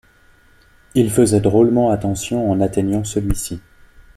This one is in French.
Il faisait drôlement attention en atteignant celui-ci